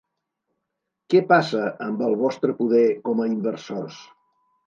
Què passa amb el vostre poder com a inversors?